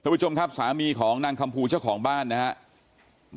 ผู้ชมครับสามีของนางคำภูเจ้าของบ้านนะครับ